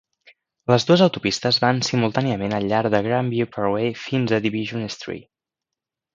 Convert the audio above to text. Les dues autopistes van simultàniament al llarg de Grandview Parkway fins a Division Street.